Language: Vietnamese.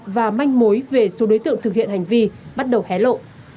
và manh mối về số đối tượng thực hiện hành vi bắt đầu hé lộ